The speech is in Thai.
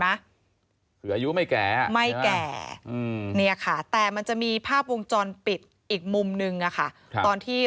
คืออายุไม่แก่ไม่แก่เนี่ยค่ะแต่มันจะมีภาพวงจรปิดอีกมุมนึงอะค่ะตอนที่